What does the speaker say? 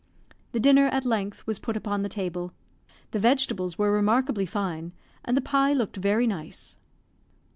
The dinner at length was put upon the table. The vegetables were remarkably fine, and the pie looked very nice.